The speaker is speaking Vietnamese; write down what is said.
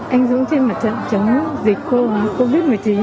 anh dũng trên mặt trận chống dịch covid một mươi chín